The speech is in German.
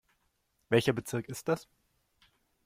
Welcher Bezirk ist das?